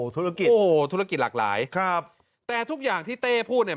ธุรกิจโอ้โหธุรกิจหลากหลายครับแต่ทุกอย่างที่เต้พูดเนี่ย